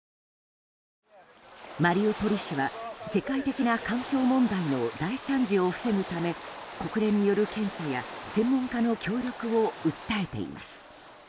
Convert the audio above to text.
マリウポリ市は世界的な環境問題の大惨事を防ぐため国連による検査や専門家の協力を訴えています。